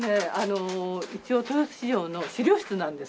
一応豊洲市場の資料室なんです。